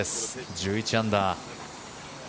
１１アンダー。